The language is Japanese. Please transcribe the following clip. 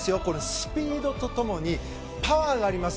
スピードとともにパワーがあります。